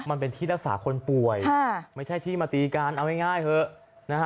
มันเป็นที่รักษาคนป่วยไม่ใช่ที่มาตีกันเอาง่ายเถอะนะฮะ